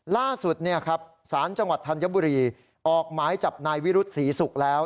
ล่าสุดสารจังหวัดธัญบุรีออกหมายจับนายวิรุธศรีศุกร์แล้ว